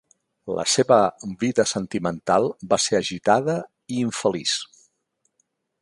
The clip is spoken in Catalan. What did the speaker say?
La seva vida sentimental va ser agitada i infeliç.